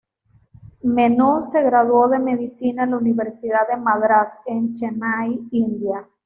Menon se graduó de medicina en la Universidad de Madrás, en Chennai, India.